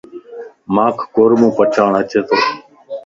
مانک قورمو پڇاڙ اچي تو.